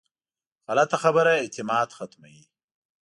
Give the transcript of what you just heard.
غلطه خبره اعتماد ختموي